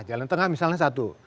jalan tengah misalnya satu